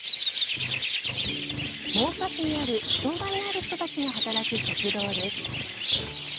真岡市にある障害のある人たちが働く食堂です。